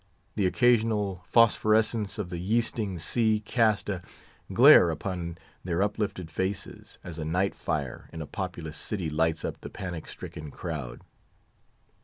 The occasional phosphorescence of the yeasting sea cast a glare upon their uplifted faces, as a night fire in a populous city lights up the panic stricken crowd.